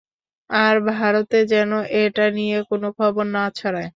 আর ভারতে যেন এটা নিয়ে কোনো খবর না ছড়ায়।